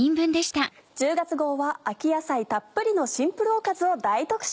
１０月号は秋野菜たっぷりのシンプルおかずを大特集。